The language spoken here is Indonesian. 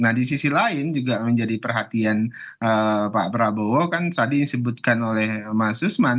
nah di sisi lain juga menjadi perhatian pak prabowo kan tadi disebutkan oleh mas usman